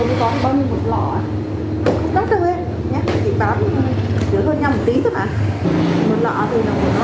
nếu có bao nhiêu một lọ không đắt đâu em chỉ bán dưới hơn nhau một tí thôi ạ